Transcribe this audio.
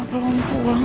apa belum pulang